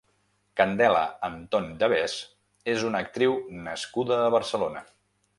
Candela Antón de Vez és una actriu nascuda a Barcelona.